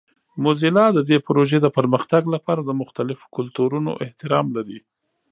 موزیلا د دې پروژې د پرمختګ لپاره د مختلفو کلتورونو احترام لري.